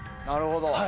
なるほど。